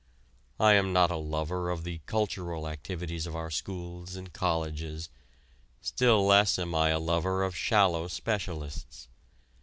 I am not a lover of the "cultural" activities of our schools and colleges, still less am I a lover of shallow specialists.